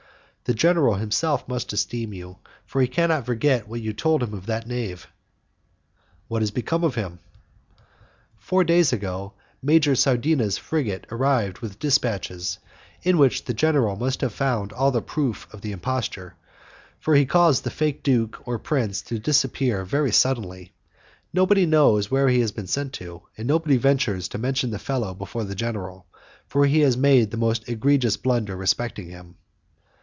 The general himself must esteem you, for he cannot forget what you told him of that knave." "What has become of him?" "Four days ago Major Sardina's frigate arrived with dispatches, in which the general must have found all the proof of the imposture, for he has caused the false duke or prince to disappear very suddenly. Nobody knows where he has been sent to, and nobody ventures to mention the fellow before the general, for he made the most egregious blunder respecting him."